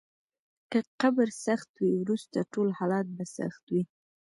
که قبر سخت وي، وروسته ټول حالات به سخت وي.